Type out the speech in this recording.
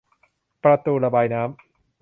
ประตูระบายน้ำ